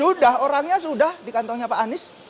sudah orangnya sudah di kantongnya pak anies